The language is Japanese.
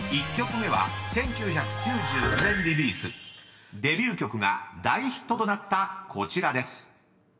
１曲目は１９９９年リリース］［デビュー曲が大ヒットとなったこちらです］